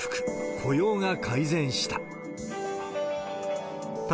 雇用が改善した。